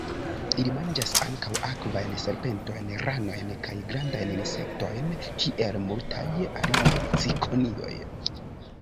Ili manĝas ankaŭ akvajn serpentojn, ranojn kaj grandajn insektojn, kiel multaj aliaj cikonioj.